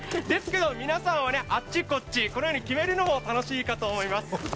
ですけど、皆さんはあっちこっちこのように決めるのも楽しいかと思います。